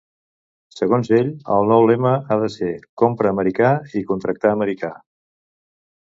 Segons ell, el nou lema ha de ser ‘comprar americà i contractar americà’.